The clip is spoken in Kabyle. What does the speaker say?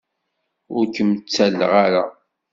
Ur kem-ttalleɣ ara.